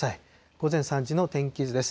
午前３時の天気図です。